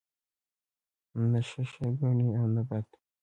نه ښه ښه گڼي او نه بد بد